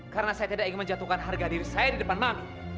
karena saya tidak ingin menjatuhkan harga diri saya di depan mami